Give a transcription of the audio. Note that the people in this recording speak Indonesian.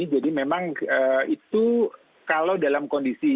jadi memang itu kalau dalam kondisi